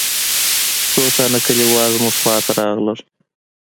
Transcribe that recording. څو تنه کليوال زموږ خوا ته راغلل.